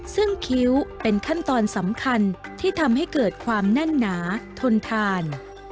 ซึ่งคิ้วเป็นขั้นตอนสำคัญที่ทำให้เกิดความแน่นหนาทนทาน